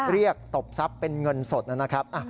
ตบทรัพย์เป็นเงินสดนะครับ